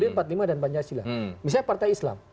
misalnya partai islam